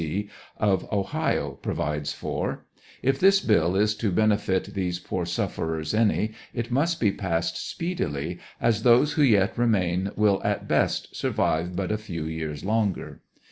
C, of Ohio provides for. And if this bill is to benefit these poor sulferers any, it must be passed speedily, as those who yet remain will, at best, sur vive but a lew years longer.